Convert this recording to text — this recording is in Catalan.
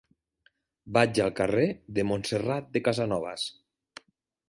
Vaig al carrer de Montserrat de Casanovas.